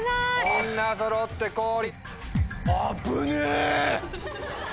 みんなそろって氷。